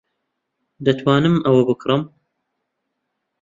دەتوانم ئەوە بکڕم؟